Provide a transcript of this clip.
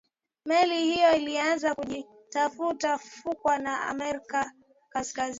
meli hiyo ilianza kuzitafuta fukwe za amerika kaskazini